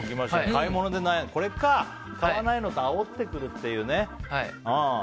買い物で悩んでいると買わないの？とあおってくるっていう。